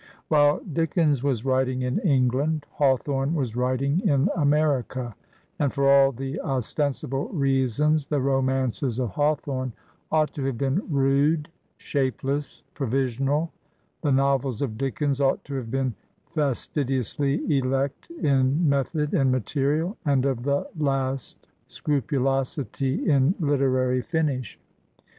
While Dickens was writing in England, Hawthorne was writing in Amer ica; and for all the ostensible reasons the romances of Hawthorne ought to have been rude, shapeless, pro visional, the novels of Dickens ought to have been fastidiously elect in method and material and of the last scrupulosity in literary finish.